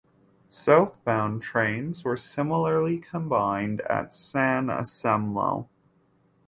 Southbound trains were similarly combined at San Anselmo.